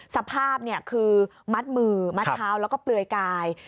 สภาพคือมัดมือมัดเท้าแล้วก็เปลือยกาย